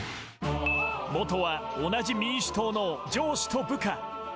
元は同じ民主党の上司と部下。